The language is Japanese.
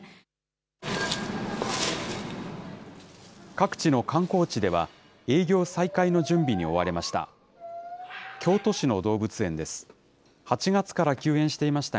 各地の観光地では、営業再開の準備に追われました。